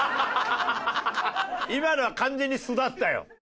今のは完全に素だったよ。